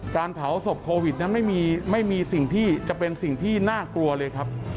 การเผาศพโควิดนั้นไม่มีสิ่งที่จะเป็นสิ่งที่น่ากลัวเลยครับ